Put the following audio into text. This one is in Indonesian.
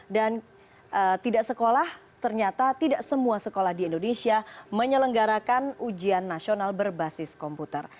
dan tidak sekolah ternyata tidak semua sekolah di indonesia menyelenggarakan ujian nasional berbasis komputer